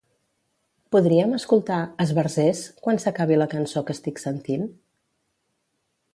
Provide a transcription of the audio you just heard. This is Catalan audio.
Podríem escoltar "Esbarzers" quan s'acabi la cançó que estic sentint?